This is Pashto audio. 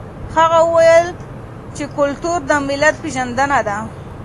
هغه وویل چې کلتور د ملت پېژندنه ده.